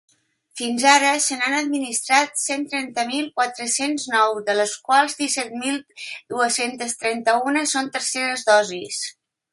Fins ara, se n’han administrat cent trenta mil quatre-cents nou, de les quals disset mil dues-centes trenta-una són terceres dosis.